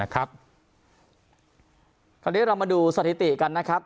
คราวนี้เรามาดูสถิติกันนะครับ